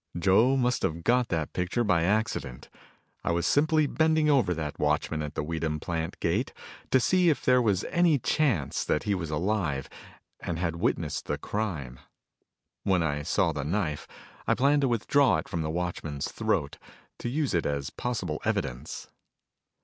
Joe must have got that picture by accident. I was simply bending over that watchman at the Weedham plant gate to see if there was any chance that he was alive and had witnessed the crime. When I saw the knife, I planned to withdraw it from the watchman's throat, to use it as possible evidence.